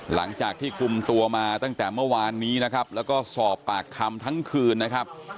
หลังจากที่คุมตัวมาตั้งแต่เมื่อวานนี้นะครับแล้วก็สอบปากคำทั้งคืนนะครับ